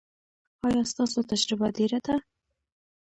ایا ستاسو تجربه ډیره ده؟